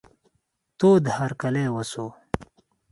تود هرکلی وسو.